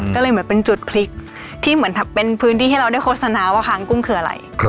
ก็เลยเหมือนเป็นจุดพลิกที่เหมือนเป็นพื้นที่ให้เราได้โฆษณาว่าค้างกุ้งคืออะไร